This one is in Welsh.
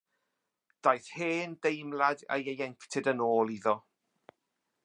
Daeth hen deimlad ei ieuenctid yn ôl iddo.